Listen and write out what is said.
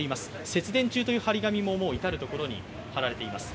「節電中」という貼り紙も至る所に貼られています。